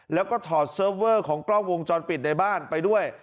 แล้วก็ถอดเซิร์ฟเวอร์ของกล้องวงจรปิดในบ้านไปด้วย